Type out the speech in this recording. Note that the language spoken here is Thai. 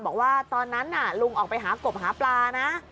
บอกว่าตอนนั้นน่ะลุงออกไปหากบหาปลานะ